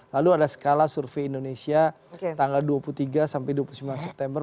lalu ada skala survei indonesia tanggal dua puluh tiga sampai dua puluh sembilan september